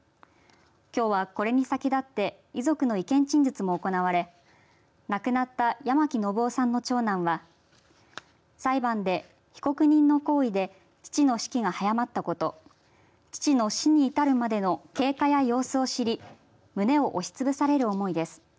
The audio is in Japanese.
きょうは、これに先立って遺族の意見陳述も行われ亡くなった八巻信雄さんの長男は裁判で被告の行為で父の死期が早まったこと父の死に至るまでの経過や様子を知り胸を押しつぶされる思いです。